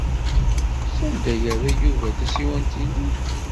Sanda ay yerra Yuba tasiwant-inu?